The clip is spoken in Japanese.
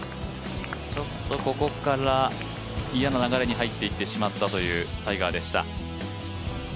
ここから嫌な流れに入っていってしまうというタイガーでした。